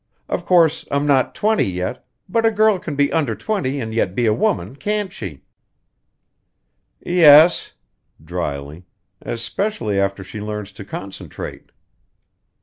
Of course, I'm not twenty yet, but a girl can be under twenty and yet be a woman, can't she?" "Yes" dryly "especially after she learns to concentrate."